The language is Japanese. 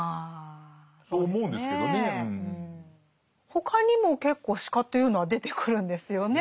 他にも結構鹿というのは出てくるんですよね。